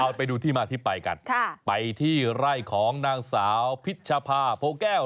เอาไปดูที่มาที่ไปกันไปที่ไร่ของนางสาวพิชภาโพแก้ว